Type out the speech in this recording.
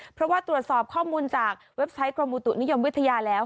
เพราะว่าตรวจสอบข้อมูลจากเว็บไซต์กรมอุตุนิยมวิทยาแล้ว